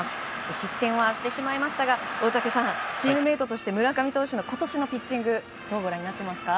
失点はしてしまいましたが大竹さんチームメートとして村上投手の今年のピッチングどうご覧になっていますか？